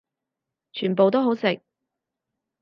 全部都好食